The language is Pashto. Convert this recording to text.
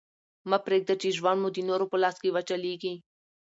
مه پرېږده، چي ژوند مو د نورو په لاس وچلېږي.